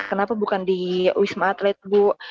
kenapa akhirnya dia direwat di respon